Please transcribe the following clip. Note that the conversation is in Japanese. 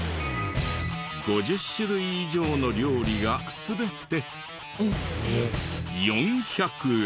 ５０種類以上の料理が全て４００円。